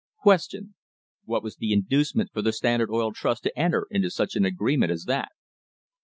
.. What was the inducement for the Standard Oil Trust to enter into such an agreement as that